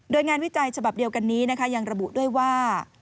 โดยงานวิจัยฉบับเดียวกันนี้นะคะยังระบุด้วยว่า